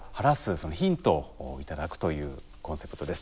そのヒントを頂くというコンセプトです。